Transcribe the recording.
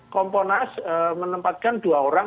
komponas menempatkan dua orang